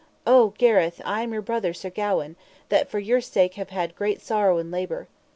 O Gareth, I am your brother Sir Gawaine, that for your sake have had great sorrow and labour.